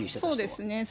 そうですね。